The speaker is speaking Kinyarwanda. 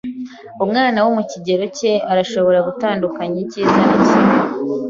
Umwana wo mu kigero cye arashobora gutandukanya icyiza n'ikibi?